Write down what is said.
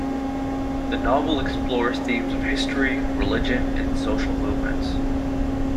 The novel explores themes of history, religion, and social movements.